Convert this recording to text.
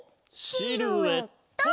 シルエット！